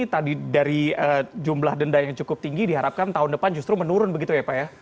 tadi dari jumlah denda yang cukup tinggi diharapkan tahun depan justru menurun begitu ya pak ya